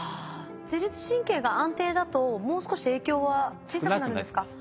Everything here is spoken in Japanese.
自律神経が安定だともう少し影響は小さくなるんですか？